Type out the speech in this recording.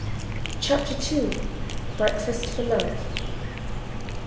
CHAPTER II. Breakfast for Love.